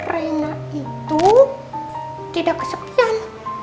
reina itu tidak kesepian